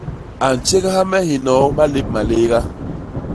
A ntjégha me hinoo malép malééga.